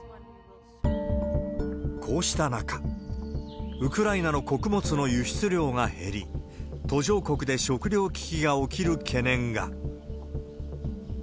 こうした中、ウクライナの穀物の輸出量が減り、途上国で食料危機が起きる懸念が。